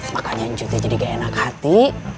makanya cuti jadi gak enak hati